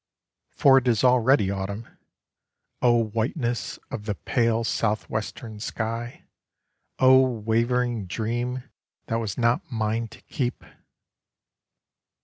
For it is already autumn, O whiteness of the pale southwestern sky! O wavering dream that was not mine to keep!